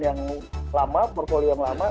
yang lama portfolio yang lama